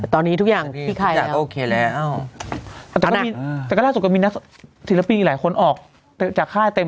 ตอนนี้ทุกอย่างพี่ไข่ผมอยากโอเคแล้ว